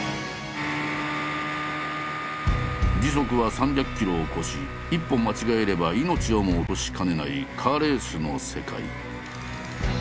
時速は３００キロを超し一歩間違えれば命をも落としかねないカーレースの世界。